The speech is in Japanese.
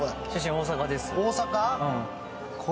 大阪です。